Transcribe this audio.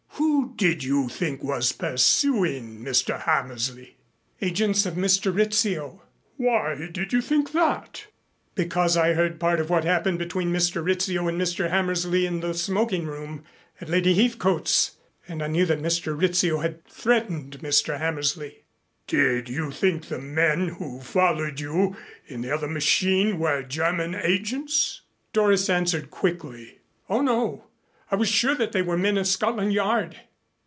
Who did you think was pursuing Mr. Hammersley?" "Agents of Mr. Rizzio." "Why did you think that?" "Because I heard part of what happened between Mr. Rizzio and Mr. Hammersley in the smoking room at Lady Heathcote's and I knew that Mr. Rizzio had threatened Mr. Hammersley." "Did you think the men who followed you in the other machine were German agents?" Doris answered quickly. "Oh, no. I was sure that they were men of Scotland Yard."